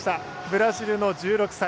ブラジルの１６歳。